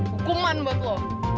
hukuman buat lo